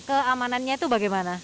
keamanannya itu bagaimana